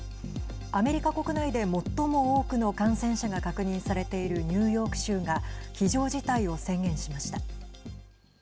アメリカ国内で、最も多くの感染者が確認されているニューヨーク州が非常事態を宣言しました。